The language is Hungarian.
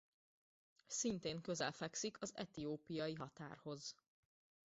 Szintén közel fekszik az etiópiai határhoz.